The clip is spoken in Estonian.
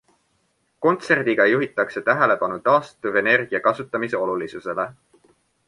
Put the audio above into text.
Kontserdiga juhitakse tähelepanu taastuvenergia kasutamise olulisusele.